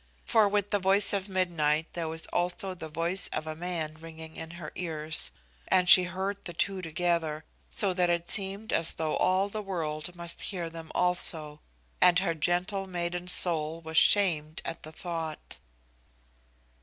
For with the voice of midnight there was also the voice of a man ringing in her ears, and she heard the two together, so that it seemed as though all the world must hear them also, and her gentle maiden's soul was shamed at the thought.